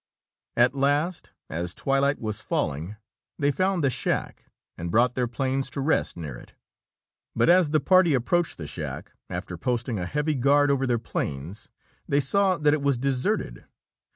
At last, as twilight was falling, they found the shack and brought their planes to rest near it. But as the party approached the shack, after posting a heavy guard over their planes, they saw that it was deserted.